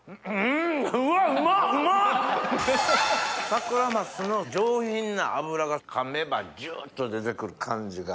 サクラマスの上品な脂が噛めばジュっと出て来る感じが。